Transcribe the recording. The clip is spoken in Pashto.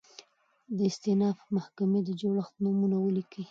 د استیناف محکمي د جوړښت نومونه ولیکئ؟